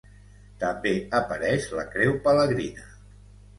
També apareix la Creu pelegrina.